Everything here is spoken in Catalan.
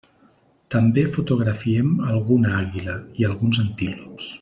També fotografiem alguna àguila i alguns antílops.